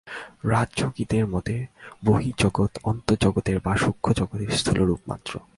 রাজযোগীদের মতে বহির্জগৎ অন্তর্জগতের বা সূক্ষ্মজগতের স্থূল রূপ মাত্র।